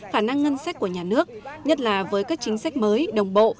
khả năng ngân sách của nhà nước nhất là với các chính sách mới đồng bộ